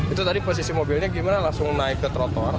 itu tadi posisi mobilnya gimana langsung naik ke trotoar